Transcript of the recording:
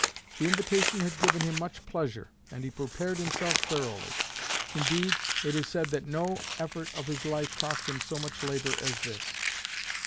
The invitation had given him much pleasure, and he prepared himself thoroughly; indeed, it is said that no effort of his life cost him so much labor as this.